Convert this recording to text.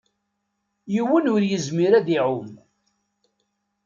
Yiwen ur yezmir ad iɛum.